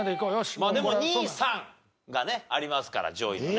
まあでも２３がねありますから上位のね。